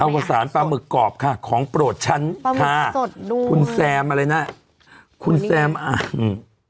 เอาสารปลาหมึกกรอบค่ะของโปรดชั้นค่ะคุณแซมอะไรนะคุณแซมอ้าง